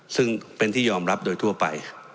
ซึ่งเป็นที่ยอมรับโดยทั่วไป